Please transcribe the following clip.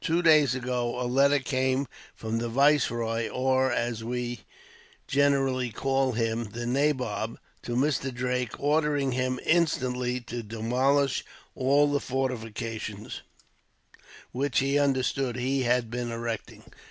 Two days ago a letter came from the viceroy; or, as we generally call him, the nabob, to Mr. Drake, ordering him instantly to demolish all the fortifications which he understood he had been erecting.